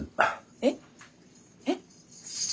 えっえっ？